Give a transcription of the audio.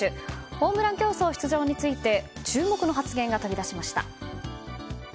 ホームラン競争出場について注目の発言が飛び出しました。